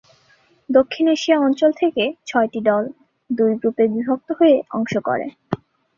দক্ষিণ এশিয়া অঞ্চল থেকে ছয়টি দল দুই গ্রুপে বিভক্ত হয়ে অংশ করে।